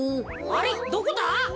あれっどこだ？